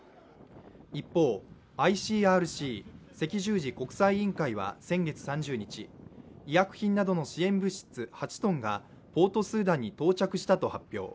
一方、ＩＣＲＣ＝赤十字国際委員会は先月３０日、医薬品などの支援物質８ｔがポートスーダンに到着したと発表。